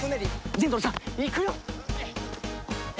ジェントルさん行くよ！